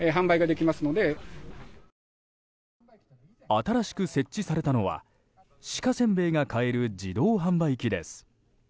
新しく設置されたのは鹿せんべいが買える自動販売機です。